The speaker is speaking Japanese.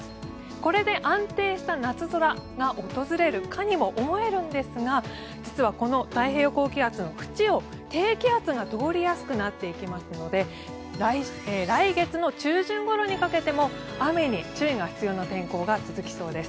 これで安定した夏空が訪れるかにも思えるんですが実はこの太平洋高気圧の縁を低気圧が通りやすくなっていきますので来月の中旬ごろにかけても雨に注意が必要な天候が続きそうです。